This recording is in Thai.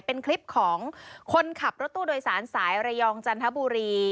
เป็นคลิปของคนขับรถตู้โดยสารสายระยองจันทบุรี